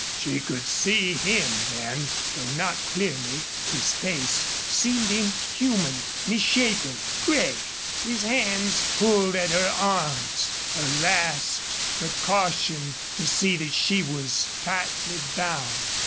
She could see him then, though not clearly. His face seemed inhuman, misshapen, gray. His hands pulled at her arms a last precaution to see that she was tightly bound.